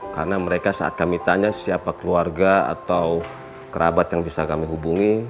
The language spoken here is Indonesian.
karena mereka saat kami tanya siapa keluarga atau kerabat yang bisa kami hubungi